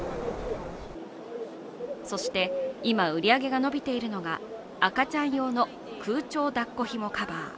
そして今、売り上げが伸びているのが赤ちゃん用の空調抱っこひもカバー。